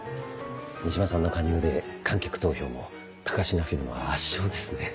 三島さんの加入で観客投票も高階フィルの圧勝ですね。